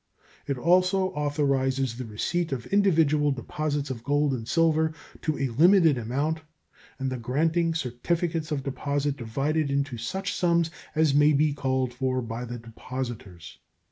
It also authorizes the receipt of individual deposits of gold and silver to a limited amount, and the granting certificates of deposit divided into such sums as may be called for by the depositors.